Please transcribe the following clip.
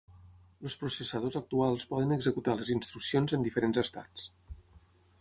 Els processadors actuals poden executar les instruccions en diferents estats.